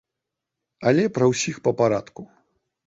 Але пра ўсіх па парадку.